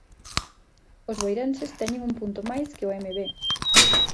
Os boirenses teñen un punto máis que o Emevé.